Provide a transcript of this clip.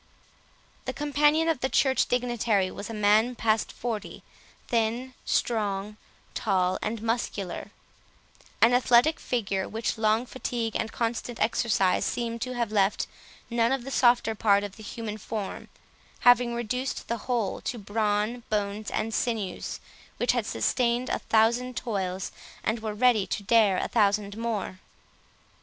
The companion of the church dignitary was a man past forty, thin, strong, tall, and muscular; an athletic figure, which long fatigue and constant exercise seemed to have left none of the softer part of the human form, having reduced the whole to brawn, bones, and sinews, which had sustained a thousand toils, and were ready to dare a thousand more.